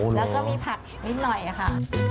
แล้วก็มีผักนิดหน่อยค่ะ